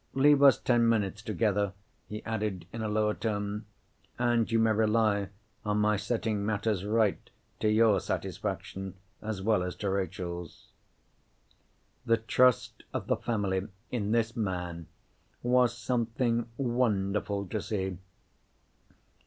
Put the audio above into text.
Leave us ten minutes together," he added, in a lower tone, "and you may rely on my setting matters right, to your satisfaction as well as to Rachel's." The trust of the family in this man was something wonderful to see.